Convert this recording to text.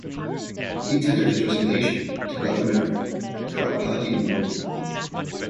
He tendered his resignation to Governor Draupadi Murmu.